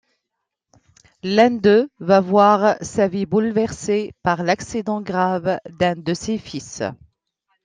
L'un d'eux va voir sa vie bouleversée par l'accident grave d'un de ses fils.